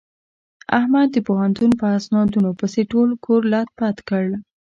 احمد د پوهنتون په اسنادونو پسې ټول کور لت پت کړ.